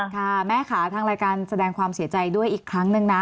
ค่ะแม่ค่ะทางรายการแสดงความเสียใจด้วยอีกครั้งนึงนะ